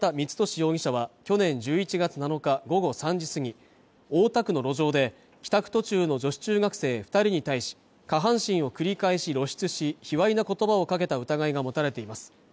容疑者は去年１１月７日午後３時過ぎ大田区の路上で帰宅途中の女子中学生二人に対し下半身を繰り返し露出し卑猥な言葉をかけた疑いが持たれています